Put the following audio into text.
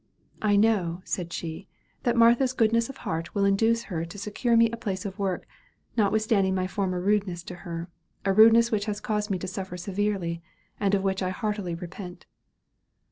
"I know," said she, "that Martha's goodness of heart will induce her to secure me a place of work, notwithstanding my former rudeness to her a rudeness which has caused me to suffer severely, and of which I heartily repent."